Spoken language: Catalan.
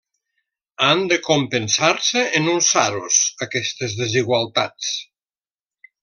Han de compensar-se en un Saros aquestes desigualtats.